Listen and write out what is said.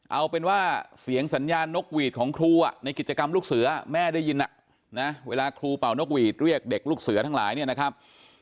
เอาเป็นว่าเสียงสัญญาณนกหวีดของครูในกิจกรรมลูกเสือแม่ได้ยินเวลาครูเป่านกหวีดเรียกเด็กลูกเสือทั้งหลายเนี่ยนะครับ